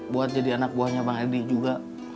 buat jadi anak buahnya bang edi juga